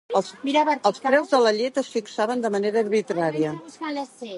Els preus de la llet es fixaven de manera arbitrària.